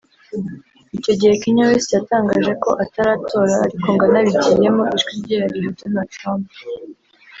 Icyo gihe Kanye West yatangaje ko ataratora ariko ngo anabigiyemo ijwi rye yariha Donald Trump